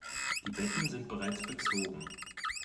Die Betten sind bereits bezogen.